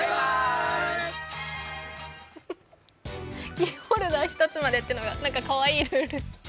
キーホルダー１つまでっていうのがなんかかわいい。